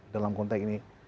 dalam konteks ini